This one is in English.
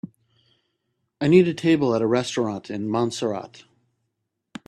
I need a table at a restaurant in Montserrat